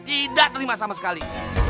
tidak terima sama sekali